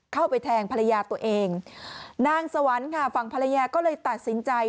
เข้าไปแทงภรรยาตัวเองนางสวรรค์ค่ะฝั่งภรรยาก็เลยตัดสินใจ